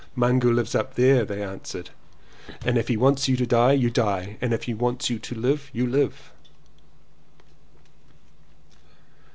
"Mungu lives up there," they answered, "and if he wants you to die you die, and if he wants you to live you live."